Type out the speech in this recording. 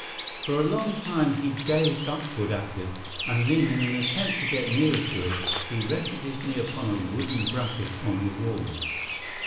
For a long time he gazed upward at it, and then in an attempt to get nearer to it he rested his knee upon a wooden bracket on the wall.